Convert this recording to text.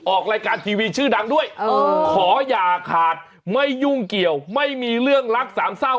ออกรายการทีวีชื่อดังด้วยขออย่าขาดไม่ยุ่งเกี่ยวไม่มีเรื่องรักสามเศร้า